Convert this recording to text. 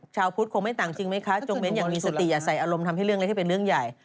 ชาวพุทธคงไม่ต่างจริงไหมคะจงเน้นอย่างมีสติอย่าใส่อารมณ์ทำให้เรื่องเล็กให้เป็นเรื่องใหญ่